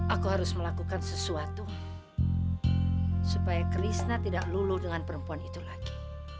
aku harus melakukan sesuatu supaya krishna tidak lulu dengan perempuan itu lagi